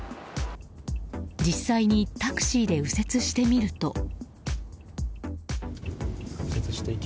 実際にタクシーで右折してみると。